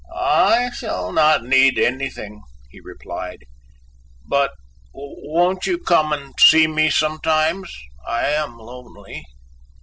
"I shall not need anything," he replied, "but won't you come and see me sometimes? I am lonely."